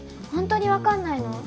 本当にわかんないの？